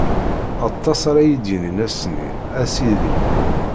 Aṭas ara yi-d-yinin ass-nni: A Sidi!